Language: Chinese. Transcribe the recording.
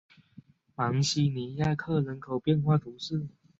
芒西尼亚克人口变化图示